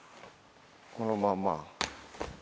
このまんま。